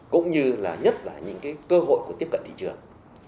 cũng như là nhất là những cái cơ hội của tiếp cận thị trường